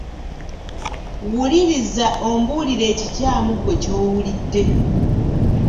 Wuliriza ombuulire ekikyamu ggwe ky'owulidde.